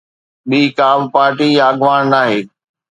ٻي ڪا به پارٽي يا اڳواڻ ناهي.